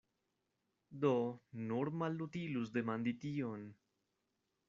Do, nur malutilus demandi tion!